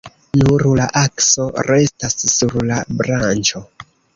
Nur la akso restas sur la branĉo.